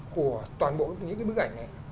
của toàn bộ những bức ảnh này